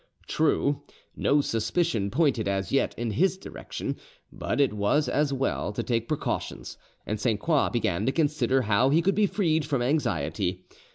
True, no suspicion pointed as yet in his direction; but it was as well to take precautions, and Sainte Croix began to consider how he could be freed from anxiety.